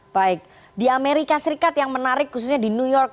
baik di amerika serikat yang menarik khususnya di new york